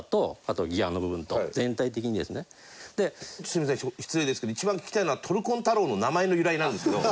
すみません失礼ですけど一番聞きたいのはトルコン太郎の名前の由来なんですよ。